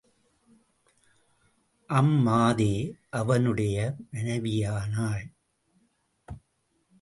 அம்மாதே அவனுடைய மனைவியானாள்.